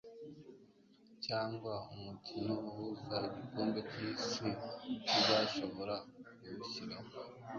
cyangwa umukino uhuza igikombe cyisi cyisi ntuzashobora kuwushiraho